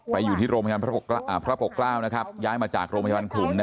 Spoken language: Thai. ไปอยู่ที่โรงพยาบาลพระปกราวนะครับย้ายมาจากโรงพยาบาลคุม